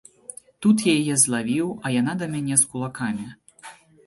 Тут я яе злавіў, а яна да мяне з кулакамі.